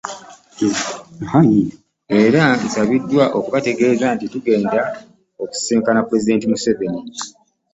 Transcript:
Era Nsabiddwa okubategeeza nti tugenda kusisinkana Pulezidenti Museveni